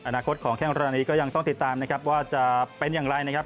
อนาคตของแข้งรายนี้ก็ยังต้องติดตามนะครับว่าจะเป็นอย่างไรนะครับ